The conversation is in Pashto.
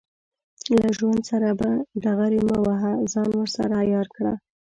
له ژوند سره ډغرې مه وهه، ځان ورسره عیار کړه.